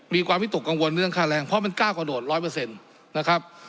มีความมิตุกังวลเรื่องค่าแรงเพราะมันกล้ากระโดด๑๐๐นะครับ